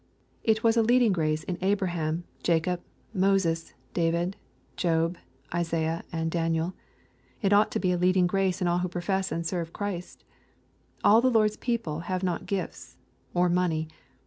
It was a leading grace in Abraham, Jacob, Moses, David, Job, Isaiah, and Daniel. It ought to be a leading grace in all who profess to serve Christ. All the Lord's people have not gifts or money.